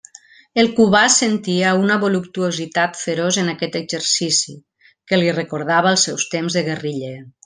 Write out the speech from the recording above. El Cubà sentia una voluptuositat feroç en aquest exercici, que li recordava els seus temps de guerriller.